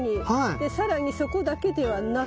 更にそこだけではなく。